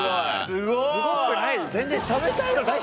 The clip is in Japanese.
すごくないよ